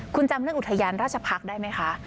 คุณจำเรื่องอุทยานราชพักษ์ได้ไหมคะ